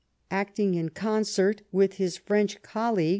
Acting in concert with his French colleague.